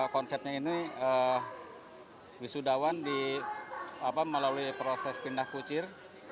konsepnya ini wisudawan melalui proses pindah kucir